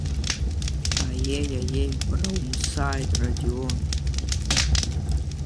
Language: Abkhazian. Аиеи, аиеи, уара умсааит, Радион!